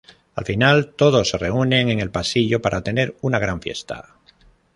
Al final, todos se reúnen en el pasillo para tener una gran fiesta.